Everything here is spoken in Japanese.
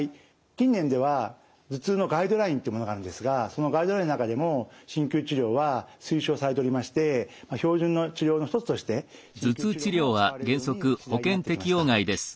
近年では頭痛のガイドラインってものがあるんですがそのガイドラインの中でも鍼灸治療は推奨されておりまして標準の治療の一つとして鍼灸治療も使われるように次第になってきました。